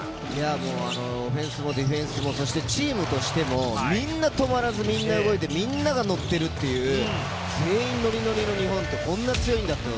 オフェンスもディフェンスもチームとしても、みんな止まらずみんな動いて、みんながノッているっていう、全員ノリノリの日本ってこんなに強いんだ。